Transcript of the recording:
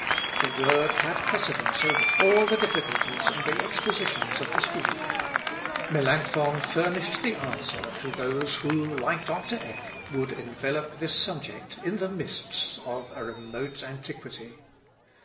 The Word had precedence over all the difficulties and the expositions of the School. Melancthon furnished the answer to those who, like Dr. Eck, would envelope this subject in the mists of a remote antiquity.